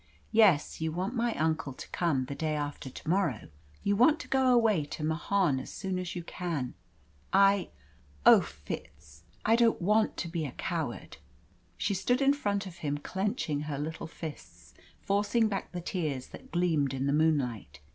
Yes, you want my uncle to come the day after to morrow you want to go away to Mahon as soon as you can. I Oh, Fitz, I don't want to be a coward!" She stood in front of him, clenching her little fists, forcing back the tears that gleamed in the moonlight.